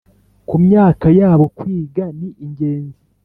ku myaka yabo kwiga ni ingenzi